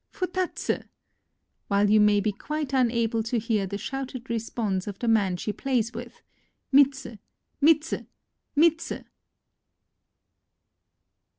futatsu I "— while you may be quite unable to hear the shouted response of the man she plays with, — ^^Mitsu! mitsu! mitsu!"